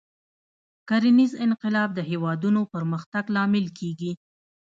کرنیز انقلاب د هېوادونو پرمختګ لامل کېږي.